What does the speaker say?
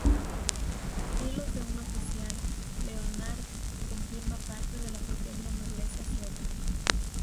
Hilos de un oficial, Leonard formaba parte de la pequeña nobleza sueca.